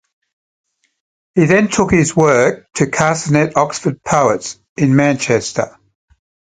He then took his work to Carcanet Oxford Poets, in Manchester.